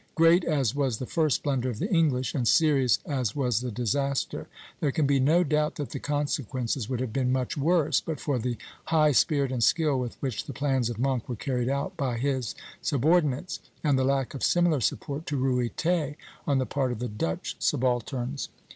Great as was the first blunder of the English, and serious as was the disaster, there can be no doubt that the consequences would have been much worse but for the high spirit and skill with which the plans of Monk were carried out by his subordinates, and the lack of similar support to Ruyter on the part of the Dutch subalterns.